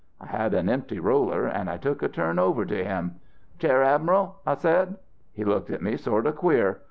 I had an empty roller, and I took a turn over to him. "'"Chair, Admiral?" I said. "'He looked at me sort of queer.